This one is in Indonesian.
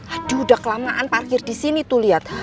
aduh udah kelamaan parkir disini tuh liat